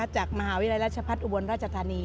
จากมหาวิรัยราชภัศอุบรรณราชธานี